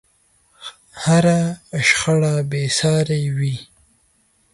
هره شخړه بې سارې وي.